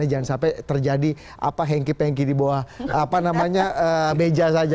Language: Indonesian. jangan sampai terjadi apa hengki pengki di bawah apa namanya meja